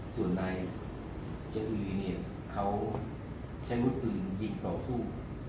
ส่วนนายเจ้าอุริเนียนเขาใช้มุดปืนยิงเปล่าสู้